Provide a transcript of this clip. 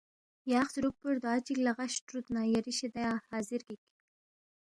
یا خسُورُوب پو ردوا چِک لہ غش تروُد نہ ن٘ا یری شِدیا حاضر گِک